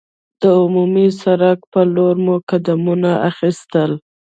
د عمومي سړک پر لور مو قدمونه اخیستل.